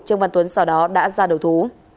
trương văn tuấn sau đó đã ra đầu thú